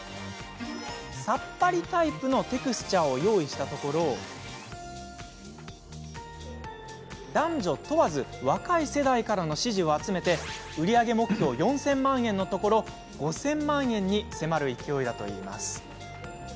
さっぱりタイプのテクスチャーを用意したところ男女問わず若い世代からの支持を集め売り上げ目標４０００万円のところ５０００万円に迫る勢いだといいます。